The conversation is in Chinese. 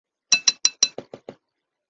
而语素可能不能独立存在。